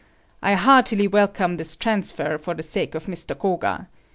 I heartily welcome this transfer for the sake of Mr. Koga.